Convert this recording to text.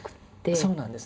そうなんです。